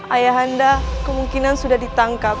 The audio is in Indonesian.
ayahanda kemungkinan sudah dikacaukan